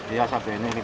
iya satu ini lima belas